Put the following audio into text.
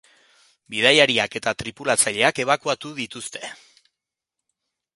Bidaiariak eta tripulatzaileak ebakuatu dituzte.